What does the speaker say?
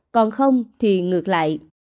còn không thì ngược lại